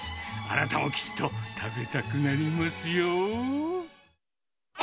あなたもきっと食べたくなりますよ。